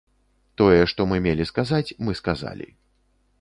Тое, што мы мелі сказаць, мы сказалі.